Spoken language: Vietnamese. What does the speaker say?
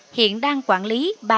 hiện đang quản lý